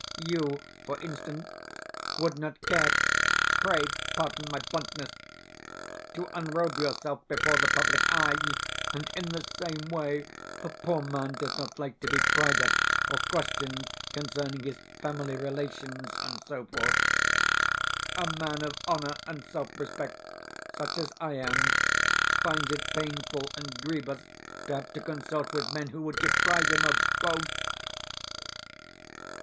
YOU, for instance, would not care (pray pardon my bluntness) to unrobe yourself before the public eye; and in the same way, the poor man does not like to be pried at or questioned concerning his family relations, and so forth. A man of honour and self respect such as I am finds it painful and grievous to have to consort with men who would deprive him of both.